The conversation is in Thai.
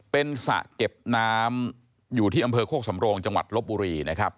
เป็นสระเก็บน้ำอยู่ที่อำเภอโคกสำโรงจังหวัดลบบุรีนะครับ